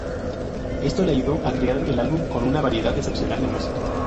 Esto le ayudó a crear el álbum con una variedad excepcional de música.